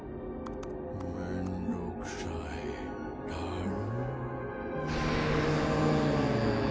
めんどくさいだるい。